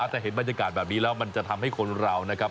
แต่เห็นบรรยากาศแบบนี้แล้วมันจะทำให้คนเรานะครับ